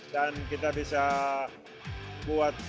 dan kita bisa buat